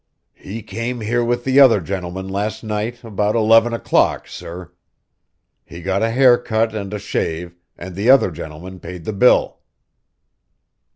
"He came here with the other gentleman last night about eleven o'clock, sir. He got a hair cut and a shave, and the other gentleman paid the bill."